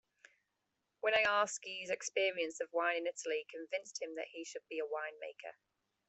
Winiarski's experience of wine in Italy convinced him that he should be a winemaker.